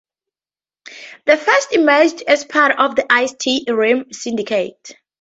He first emerged as part of Ice-T's Rhyme Syndicate.